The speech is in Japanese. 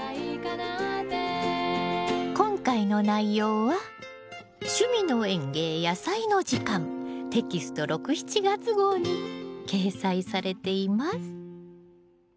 今回の内容は「趣味の園芸やさいの時間」テキスト６７月号に掲載されています。